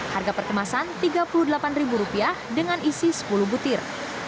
harga perkemasan rp tiga puluh delapan dengan isi sepuluh butir